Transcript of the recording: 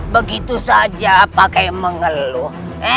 begitu saja pakai mengeluh